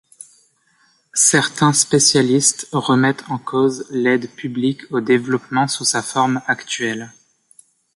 Certains spécialistes remettent en cause l'aide publique au développement sous sa forme actuelle.